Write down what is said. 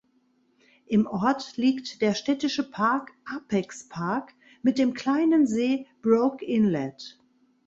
Im Ort liegt der städtische Park Apex Park mit dem kleinen See Broke Inlet.